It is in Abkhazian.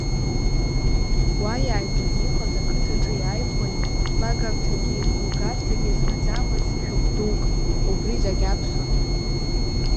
Уа иааигәаны иҟаз ақыҭаҿы иааихәеит лагарҭагьы лгарҭагьы змаӡамыз шәыҟә дук, убри дагьаԥхьон.